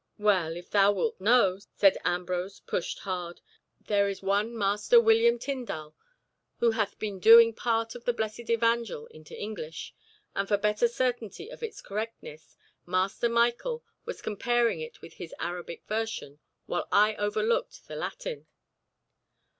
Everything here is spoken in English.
"Well, if thou wilt know," said Ambrose, pushed hard, "there is one Master William Tindal, who hath been doing part of the blessed Evangel into English, and for better certainty of its correctness, Master Michael was comparing it with his Arabic version, while I overlooked the Latin."